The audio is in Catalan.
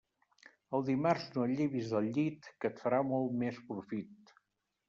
El dimarts no et llevis del llit, que et farà molt més profit.